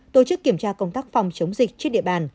tổ chức kiểm tra công tác phòng chống dịch trên địa bàn